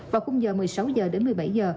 vào khung giờ một mươi sáu h một mươi bảy h